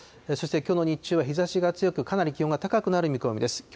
そして、きょうの日中は日ざしが強く、かなり気温が高くなる見込みです。